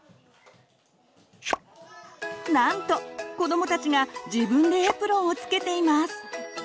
なんと子どもたちが自分でエプロンをつけています！